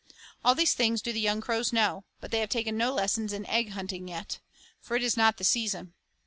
All these things do the young crows know; but they have taken no lessons in egg hunting yet, for it is not the season.